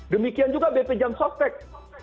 demikian juga bp jam sostek